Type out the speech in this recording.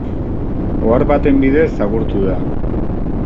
Ohar baten bidez agurtu da.